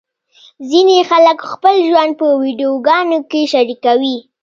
ځینې خلک خپل ژوند په ویډیوګانو کې شریکوي.